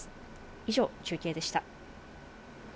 以上、中継でした。